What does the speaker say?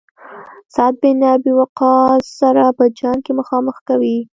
سعد بن ابي وقاص سره په جنګ کې مخامخ کوي.